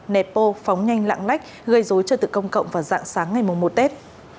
nepo phóng nhanh lãng lách gây dối trợ tự công cộng vào dạng sáng ngày một một tết